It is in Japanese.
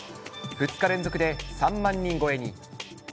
２日連続で３万人超えに。